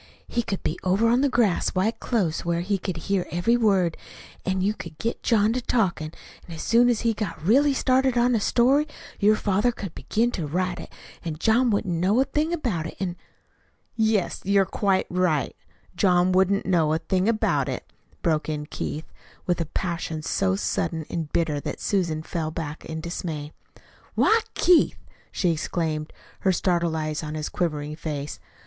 He could be over on the grass right close, where he could hear every word; an' you could get John to talkin', an' as soon as he got really started on a story your father could begin to write, an' John wouldn't know a thing about it; an' " "Yes, you're quite right John wouldn't know a thing about it," broke in Keith, with a passion so sudden and bitter that Susan fell back in dismay. "Why, Keith!" she exclaimed, her startled eyes on his quivering face.